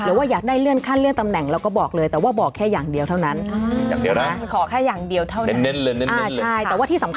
หรือว่าอยากได้เลื่อนขั้นเลื่อนตำแหน่งเราก็บอกเลยแต่ว่าบอกแค่อย่างเดียวเท่านั้นอย่างเดียวนะ